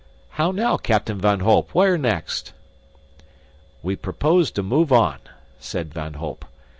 How now, Captain van Holp, where next?" "We propose to move on," said Van Holp.